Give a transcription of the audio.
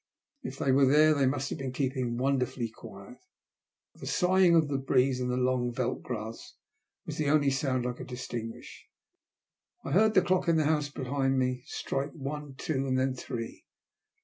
If they were there, they must have been keeping wonderfully quiet. The sighing of the breeze in the long veldt grass was the only sound that I could distinguish. I heard the clock in the house behind me strike one, two, and then three.